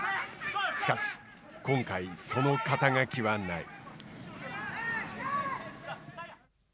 しかし今回、その肩書はない。